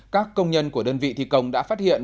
các công nhân của đơn vị thi công đã phát hiện